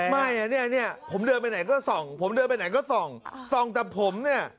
ไม่นี่ผมเดินไปไหนก็ส่องส่องจากผม